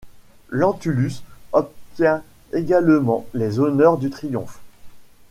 Lentulus obtient également les honneurs du triomphe.